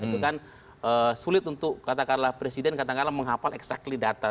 itu kan sulit untuk katakanlah presiden katakanlah menghafal exactly data